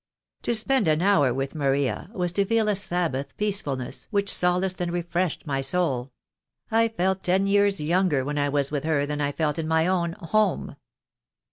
To spend an hour with Maria was to feel a Sabbath peacefulness which solaced and refreshed my soul. I felt ten years younger when I was with her than I felt in my own — home."